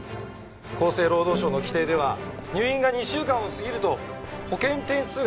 厚生労働省の規定では入院が２週間を過ぎると保険点数が下がっていきます。